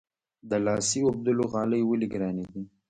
د لاسي اوبدلو غالۍ ولې ګرانې دي؟